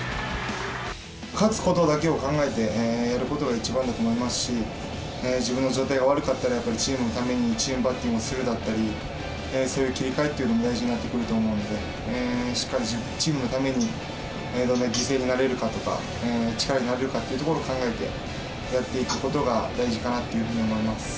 勝つことだけを考えてやることが一番だと思いますし、自分の状態が悪かったら、やっぱりチームのためにチームバッティングをするだったり、そういう切り替えっていうのも大事になってくると思うんで、しっかりチームのために犠牲になれるかとか、力になれるかっていうところを考えて、やっていくことが大事かなというふうに思います。